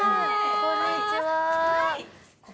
こんにちはー。